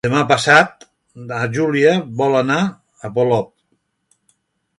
Demà passat na Júlia vol anar a Polop.